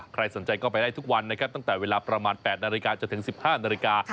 ใครสนใจก็ไปได้ทุกวันนะครับตั้งแต่เวลาประมาณ๘นาฬิกาจนถึง๑๕นาฬิกา